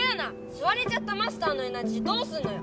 すわれちゃったマスターのエナジーどうすんのよ！